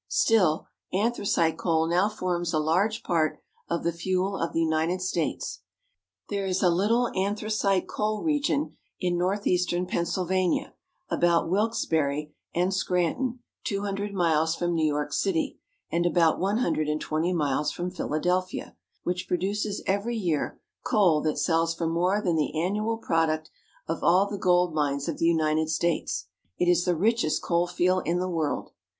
Still, an thracite coal now forms a large part of the fuel of the United States. There is a little anthracite coal region in northeastern Pennsylvania, about Wilkesbarre and Scran ton, two hundred miles from New York city, and about one hundred and twenty miles from Philadelphia, which produces every year coal that sells for more than the annual product of all the gold mines of the United States. It is the richest coal field in the world.